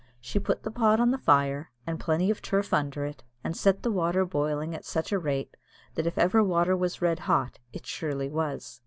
She put the pot on the fire, and plenty of turf under it, and set the water boiling at such a rate, that if ever water was red hot, it surely was.